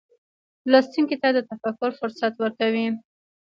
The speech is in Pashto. لوستونکي ته د تفکر فرصت ورکوي.